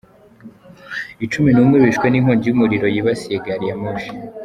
Icumi numwe bishwe n’inkongi y’umuriro yibasiye gari ya moshi